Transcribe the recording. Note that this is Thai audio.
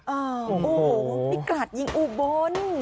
โอ้โหนี่กลัดยิงอุบล